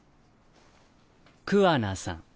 桑名さん。